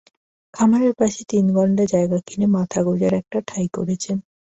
খামারের পাশে তিন গন্ডা জায়গা কিনে মাথা গোজার একটা ঠাঁই করেছেন।